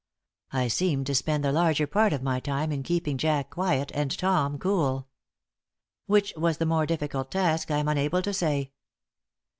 I seemed to spend the larger part of my time in keeping Jack quiet and Tom cool. Which was the more difficult task I am unable to say.